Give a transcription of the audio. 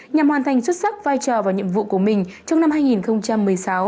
nhằm hoàn thành xuất sắc vai trò và nhiệm vụ của mình trong năm hai nghìn một mươi sáu